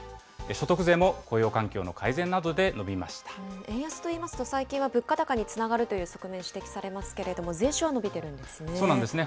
所得税も雇用環境の改善などで伸円安といいますと、最近は物価高につながるという側面、指摘されますけれども、税収は伸びてそうなんですね。